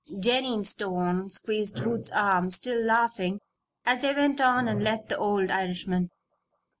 Jennie Stone squeezed Ruth's arm, still laughing, as they went on and left the old Irishman.